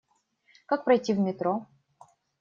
Как пройти в метро?